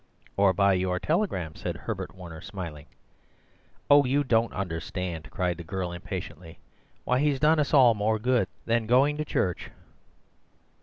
"Or by your telegram," said Herbert Warner, smiling. "Oh, you don't understand," cried the girl impatiently. "Why, he's done us all more good than going to church."